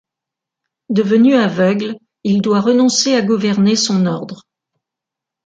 Devenu aveugle, il doit renoncer à gouverner son ordre.